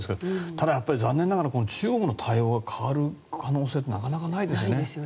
ただやっぱり残念ながら中国の対応は変わる可能性はなかなかないですよね。